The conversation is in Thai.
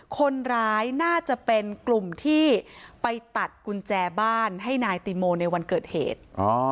คนร้ายน่าจะเป็นกลุ่มที่ไปตัดกุญแจบ้านให้นายติโมในวันเกิดเหตุ